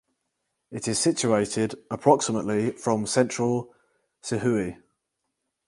It is situated approximately from central Sihui.